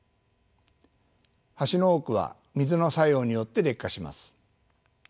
橋の多くは水の作用によって劣化します。